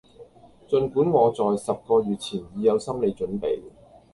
盡管我在十個月前已有心理準備